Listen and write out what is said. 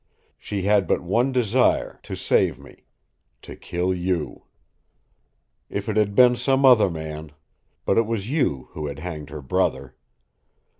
She had but one desire to save me to kill you. If it had been some other man, but it was you, who had hanged her brother!